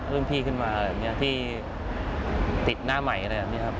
รุ่นพี่ขึ้นมาที่ติดหน้าใหม่